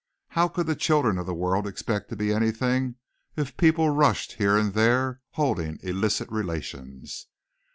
How could the children of the world expect to be anything if people rushed here and there holding illicit relations?